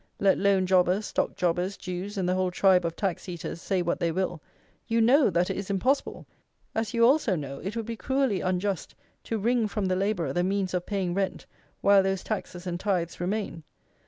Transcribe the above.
Let loan jobbers, stock jobbers, Jews, and the whole tribe of tax eaters say what they will, you know that it is impossible, as you also know it would be cruelly unjust to wring from the labourer the means of paying rent, while those taxes and tithes remain.